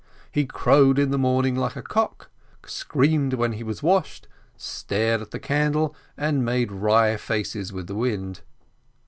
He crowed in the morning like a cock, screamed when he was washed, stared at the candle, and made wry faces with the wind.